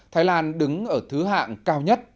thái lan đứng ở thứ hạng cao nhất